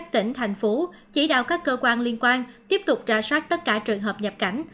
thành phố chỉ đạo các cơ quan liên quan tiếp tục ra sát tất cả trường hợp nhập cảnh